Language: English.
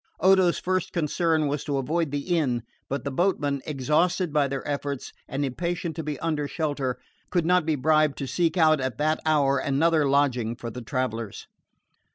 Odo's first concern was to avoid the inn; but the boatmen, exhausted by their efforts and impatient to be under shelter, could not be bribed to seek out at that hour another lodging for the travellers.